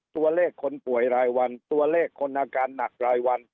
ตัวเลขคนป่วยรายวันตัวเลขคนอาการหนักรายวัน